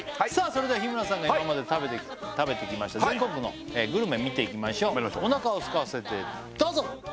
それでは日村さんが今まで食べてきました全国のグルメ見ていきましょうおなかをすかせてどうぞ！